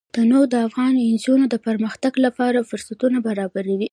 تنوع د افغان نجونو د پرمختګ لپاره فرصتونه برابروي.